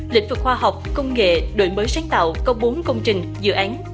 lĩnh vực khoa học công nghệ đổi mới sáng tạo có bốn công trình dự án